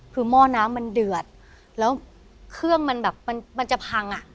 คือหม้อน้ำมันเดือดแล้วเครื่องมันแบบมันมันจะพังอ่ะ